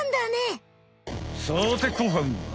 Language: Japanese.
さて後半は。